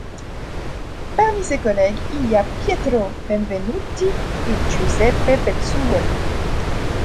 Parmi ses collègues, il y a Pietro Benvenuti et Giuseppe Bezzuoli.